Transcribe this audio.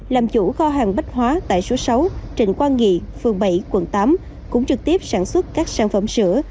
làm chủ kho hàng bách hóa tại số sáu trịnh quang nghị phường bảy quận tám cũng trực tiếp sản xuất các sản phẩm sữa